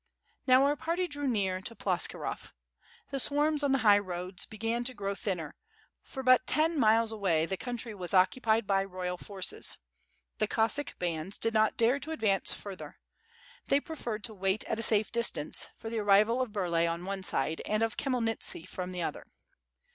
Now our party drew near to Ploskirov. The swarms on the high roads began to grow thinner, for but ten miles away the country was occupied by the royal forces. The Cossack bands did not dare to ad vance further. They preferred to wait at a safe distance, for the arrival of Burlay on one side, and of Khmyelnitski from the other.